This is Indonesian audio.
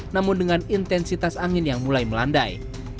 namun dengan intensitas angin yang mulai melandai